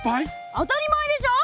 当たり前でしょ！